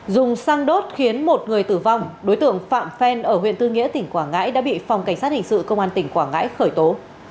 dùng xăng đốt khiến một người tử vong đối tượng phạm phen ở huyện tư nghĩa tỉnh quảng ngãi đã bị phòng cảnh sát hình sự công an tỉnh quảng ngãi khởi tố